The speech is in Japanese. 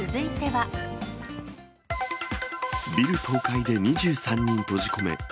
ビル倒壊で２３人閉じ込め。